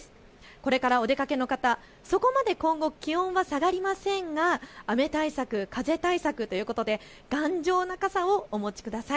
これからお出かけの方、そこまで今後気温は下がりませんが雨対策、風対策ということで頑丈な傘をお持ちください。